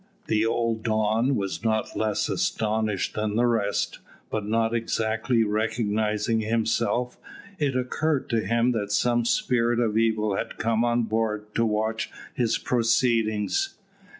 The old Don was not less astonished than the rest, but not exactly recognising himself, it occurred to him that some spirit of evil had come on board to watch his proceedings.